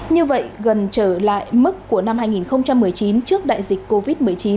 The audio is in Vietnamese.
như vậy gần trở lại mức của năm hai nghìn một mươi chín trước đại dịch covid một mươi chín